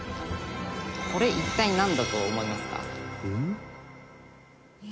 「これ一体なんだと思いますか？」